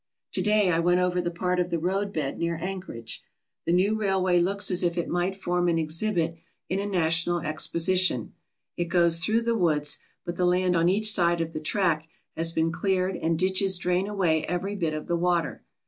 To day I went over the part of the roadbed near An chorage. The new railway looks as if it might form an exhibit in a national exposition. It goes through the woods, but the land on each side of the track has been cleared and ditches drain away every bit of the water.